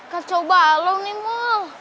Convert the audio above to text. kacau balau nih mol